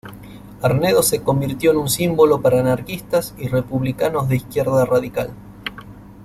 Arnedo se convirtió en un símbolo para anarquistas y republicanos de izquierda radical.